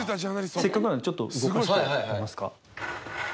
せっかくなんでちょっと動かしてみますか。